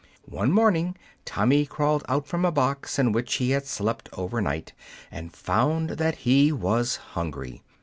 One morning Tommy crawled out from a box in which he had slept over night, and found that he was hungry.